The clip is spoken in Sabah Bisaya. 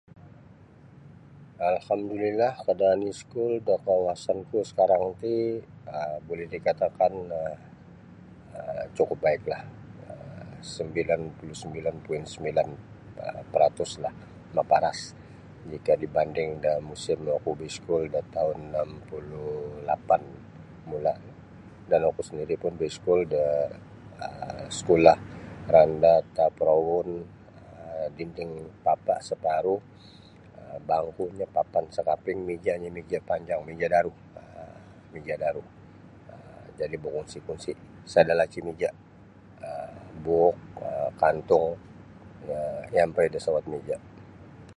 Alhamdulillah kawasan iskul da kawasan ku sakarang ti um buli dikatakan um cukup baik lah um sembilan puluh sembilan poin sembilan peratuslah maparas jika dibanding da musim oku baiskul da taun anam puluh lapan mulanyo dan oku sendiri pun baiskul mulanyo um skula randah taap roun um dinding papa saparuh bangkunyo papan sakaping mijanyo mija panjang mija daru um mija daru um jadi bakungsi kungsi sada laci mija um buuk da kantung iampai da sawat mija.